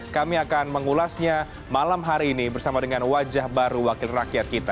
kami akan mengulasnya malam hari ini bersama dengan wajah baru wakil rakyat kita